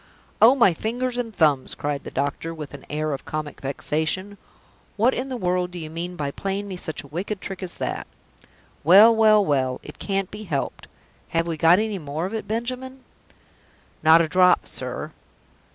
"Oh, my fingers and thumbs!" cried the doctor, with an air of comic vexation, "what in the world do you mean by playing me such a wicked trick as that? Well, well, well it can't be helped. Have we got any more of it, Benjamin?" "Not a drop, sir."